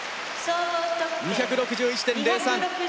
２６１．０３！